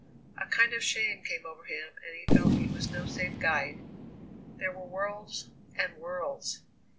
A kind of shame came over him, and he felt he was no safe guide. There were worlds and worlds!